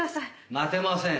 待てません。